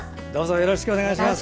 よろしくお願いします。